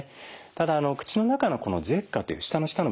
ただ口の中のこの舌下という舌の下の部分ですね